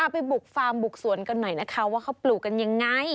ไปบุกฟาร์มบุกสวนกันหน่อยนะคะว่าเขาปลูกกันยังไง